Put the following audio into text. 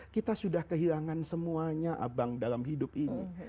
kita sudah kehilangan semuanya abang dalam hidup ini